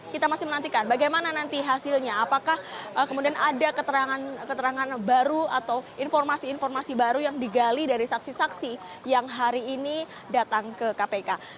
kita masih menantikan bagaimana nanti hasilnya apakah kemudian ada keterangan baru atau informasi informasi baru yang digali dari saksi saksi yang hari ini datang ke kpk